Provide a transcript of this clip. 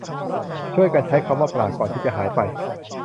ช่วยกันใช้คำว่าปรารภ ก่อนที่จะหายไป